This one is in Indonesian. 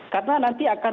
karena nanti akan